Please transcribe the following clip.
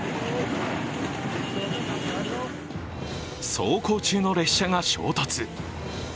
走行中の列車が衝突。